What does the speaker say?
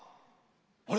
あれ？